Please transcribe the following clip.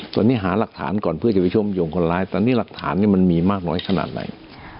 ตอนนี้หาหลักฐานก่อนเพื่อจะไปเชื่อมโยงคนร้ายตอนนี้หลักฐานมันมีมากน้อยขนาดไหน